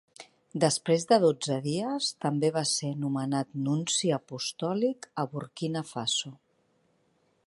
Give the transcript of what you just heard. Després de dotze dies, també va ser nomenat nunci apostòlic a Burkina Faso.